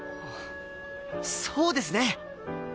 そうですね！